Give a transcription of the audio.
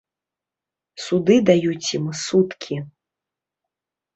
Суды даюць ім суткі.